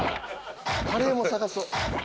カレーも探そう。